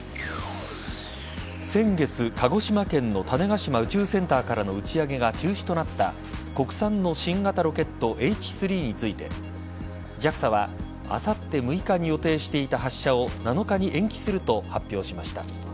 先月、鹿児島県の種子島宇宙センターからの打ち上げが中止となった国産の新型ロケットＨ３についてＪＡＸＡはあさって６日に予定していた発射を７日に延期すると発表しました。